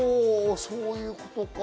そういうことか。